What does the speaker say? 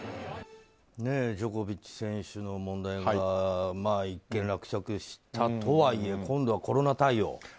ジョコビッチ選手の問題が一件落着したとはいえ今度はコロナ対応。